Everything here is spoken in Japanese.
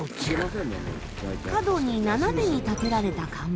角に斜めに立てられた看板。